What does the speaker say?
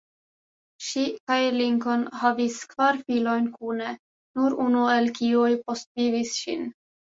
Ŝi kaj Lincoln havis kvar filojn kune, nur unu el kiuj postvivis ŝin.